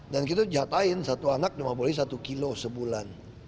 dan kita jatahin satu anak cuma boleh satu kilo sebulan